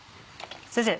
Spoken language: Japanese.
先生